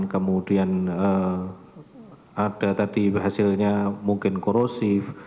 kemudian ada tadi hasilnya mungkin korosif